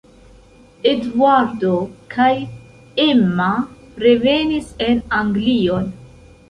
Eduardo kaj Emma revenis en Anglion.